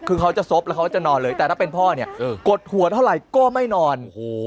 คือเขาจะซบแล้วเขาจะนอนเลยแต่ถ้าเป็นพ่อเนี่ยกดหัวเท่าไหร่ก็ไม่นอน